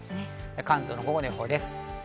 関東の午後の予報です。